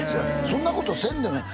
そんなことせんでもええ